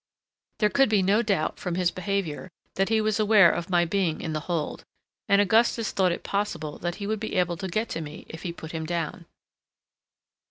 There could be no doubt, from his behaviour, that he was aware of my being in the hold, and Augustus thought it possible that he would be able to get to me if he put him down.